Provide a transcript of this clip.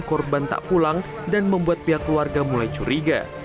korban tak pulang dan membuat pihak keluarga mulai curiga